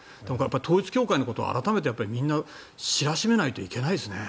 統一教会のことは改めて知らしめないといけないですね。